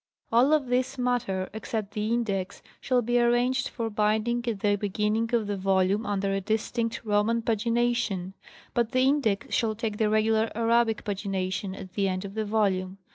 All of this matter except the index shall be arranged for binding at the beginning of the volume under a distinct Roman pagina tion ; but the index shall take the regular Arabic pagination at the end of the volume.